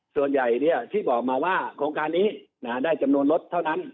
ส่วนใหญ่ที่บอกมาว่าโครงการนี้ได้จำนวนรถเท่านั้น